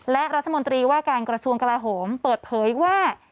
และรัฐมนตรีว่าการกระทรวงกลาโหมเปิดเผยว่า